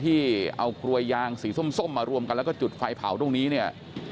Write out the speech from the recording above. ที่เอากลวยยางสีส้มมารวมกันแล้วก็จุดไฟเผาตรงนี้เนี่ย